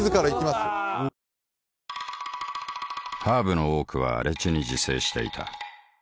ハーブの多くは荒地に自生していた。